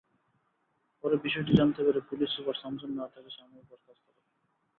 পরে বিষয়টি জানতে পেরে পুলিশ সুপার শামসুন্নাহার তাঁকে সাময়িক বরখাস্ত করেন।